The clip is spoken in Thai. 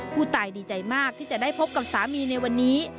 ผู้ตายดีใจมากที่จะได้พบกับสามีในวันนี้